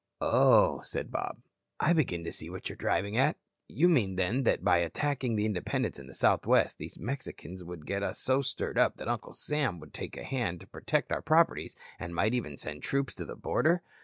"Oh," said Bob, "I begin to see what you're driving at. You mean, then, that by attacking the independents in the Southwest these Mexicans would get us so stirred up that Uncle Sam would take a hand to protect our properties, and might even send troops to the border?"